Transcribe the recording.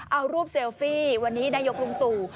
เอารูปเซลฟี่วันนี้นายกลุงตู่